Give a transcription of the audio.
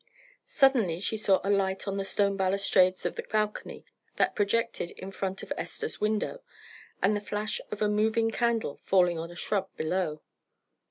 Suddenly she saw a light on the stone balustrades of the balcony that projected in front of Esther's window, and the flash of a moving candle falling on a shrub below.